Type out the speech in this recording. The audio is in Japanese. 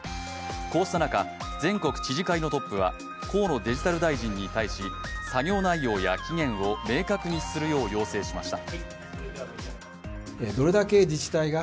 こうした中、全国知事会のトップは河野デジタル大臣に対し作業内容や期限を明確にするよう要請しました。